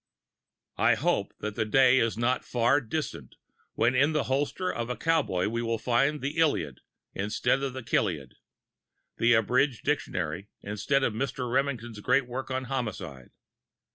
I hope that the day is not far distant when in the holster of the cowboy we will find the Iliad instead of the killiad, the unabridged dictionary instead of Mr. Remington's great work on homicide.